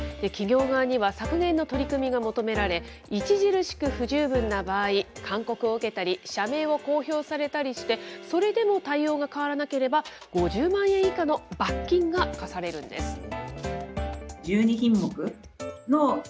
企業側には削減の取り組みが求められ、著しく不十分な場合、勧告を受けたり、社名を公表されたりして、それでも対応が変わらなければ、５０万円以下の罰金が科されるんです。